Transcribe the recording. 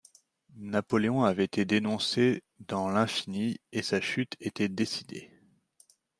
Napoléon avait été dénoncé dans l’infini, et sa chute était décidée.